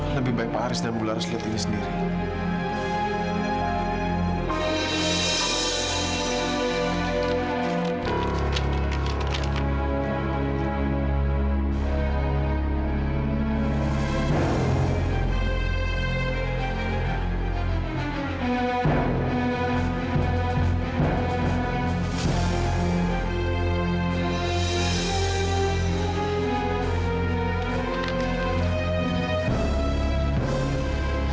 lebih baik pak haris dan bu harus lihat ini sendiri